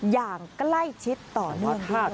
อย่างใกล้ชิดต่อเนื่องด้วย